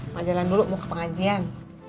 mau jalan dulu mau ke pengajian